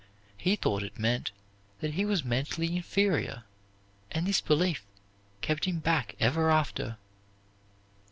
He thought it meant that he was mentally inferior, and this belief kept him back ever after.